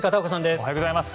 おはようございます。